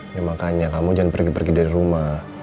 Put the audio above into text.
ya makanya kamu jangan pergi pergi dari rumah